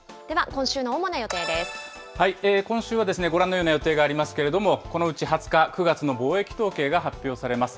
今週はご覧のような予定がありますけれども、このうち２０日、９月の貿易統計が発表されます。